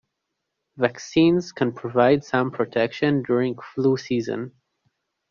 Vaccines can provide some protection during flu season.